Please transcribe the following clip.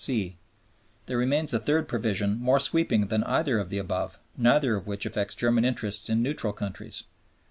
(c) There remains a third provision more sweeping than either of the above, neither of which affects German interests in neutral countries.